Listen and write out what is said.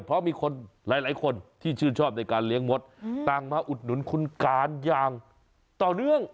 เพราะมีคนหลายคนที่ชื่นชอบในการเลี้ยงมดต่างมาอุดหนุนคุณการอย่างต่อเนื่อง